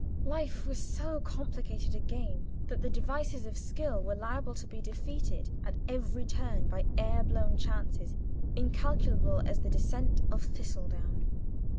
Life was so complicated a game that the devices of skill were liable to be defeated at every turn by air blown chances, incalculable as the descent of thistle down.